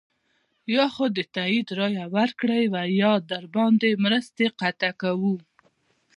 یا خو د تایید رایه ورکړئ او یا درباندې مرستې قطع کوو.